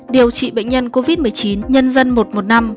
điều trị bệnh nhân covid một mươi chín nhân dân một trăm một mươi năm